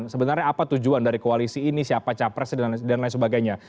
sebenarnya apa tujuan dari koalisi ini siapa capresnya dan lain sebagainya